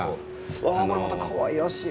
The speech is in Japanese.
わあこれまたかわいらしい。